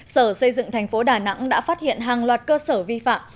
sở xây dựng thành phố đà nẵng đã phát hiện hàng loạt cơ sở vi phạm